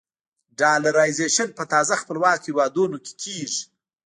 ډالرایزیشن په تازه خپلواکو هېوادونو کې کېږي.